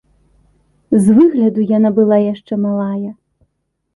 З выгляду яна была яшчэ малая.